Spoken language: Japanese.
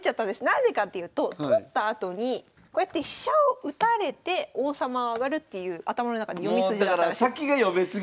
何でかっていうと取ったあとにこうやって飛車を打たれて王様上がるっていう頭の中に読み筋があったらしいです。